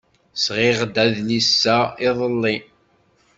Sɣiɣ-d adlis-a iḍelli.